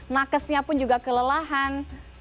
nakesnya pun juga kelelahan